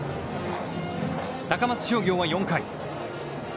高松商業は４回。